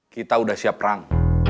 kita udah siap perang